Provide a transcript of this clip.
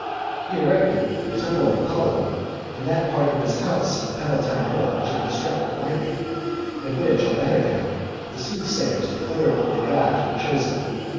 He erected the temple of Apollo in that part of his house on the Palatine hill which had been struck with lightning, and which, on that account, the soothsayers declared the God to have chosen.